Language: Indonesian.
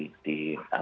di antara lingkungan